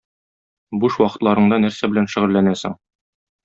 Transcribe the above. Буш вакытларыңда нәрсә белән шөгыльләнәсең?